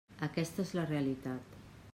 Aquesta és la realitat.